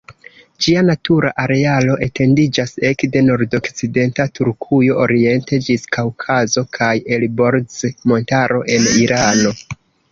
Ĝia natura arealo etendiĝas ekde nordokcidenta Turkujo oriente ĝis Kaŭkazo kaj Elborz-Montaro en Irano.